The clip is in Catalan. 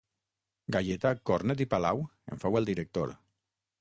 Gaietà Cornet i Palau en fou el director.